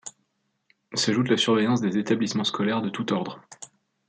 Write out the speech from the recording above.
S'ajoute la surveillance des établissements scolaires de tout ordre.